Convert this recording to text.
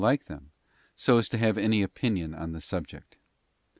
like them, so as to have any opinion on the subject.